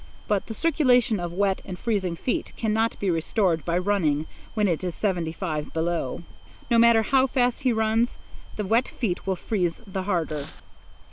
But the circulation of wet and freezing feet cannot be restored by running when it is seventy five below. No matter how fast he runs, the wet feet will freeze the harder.